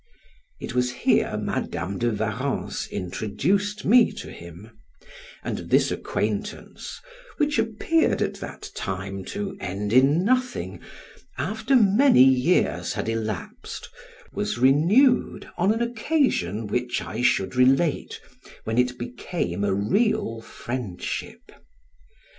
It was here Madam de Warrens introduced me to him, and this acquaintance, which appeared at that time to end in nothing, after many years had elapsed, was renewed on an occasion which I should relate, when it became a real friendship.